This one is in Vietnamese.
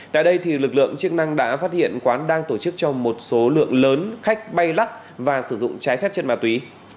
tại đây lực lượng chức năng đã phát hiện quán đang tổ chức cho một số lượng lớn khách bay lắc và sử dụng trái phép chất ma túy